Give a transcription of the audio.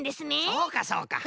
そうかそうか。